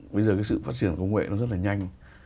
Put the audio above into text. bây giờ cái sự phát triển của công nghệ nó rất là nhanh